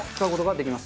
いきます！